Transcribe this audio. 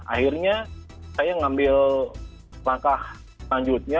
akhirnya saya ngambil langkah selanjutnya